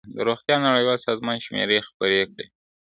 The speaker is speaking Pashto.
د روغتیا نړیوال سازمان شمېرې خپرې کړې.